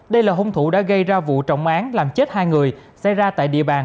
đây là hung thủ đã gây ra vụ trọng án làm chết hai người xảy ra tại địa bàn